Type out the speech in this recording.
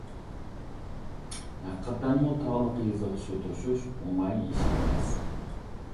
ھەقىقەتەنمۇ تاغلىق يېزىغا سۇ توشۇش ئوڭاي ئىش ئەمەس.